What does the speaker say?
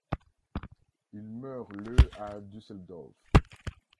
Il meurt le à Düsseldorf.